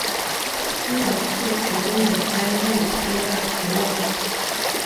He was killed during the Iran-Iraq War.